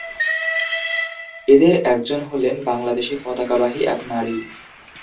এদের একজন হলেন বাংলাদেশের পতাকাবাহী এক নারী।